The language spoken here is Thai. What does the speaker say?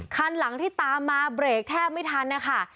คันหลังที่ตามมาเบรกแทบไม่ทันนะคะ